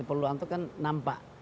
peluang itu kan nampak